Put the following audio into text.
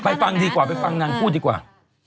ฟังดีกว่าไปฟังนางพูดดีกว่า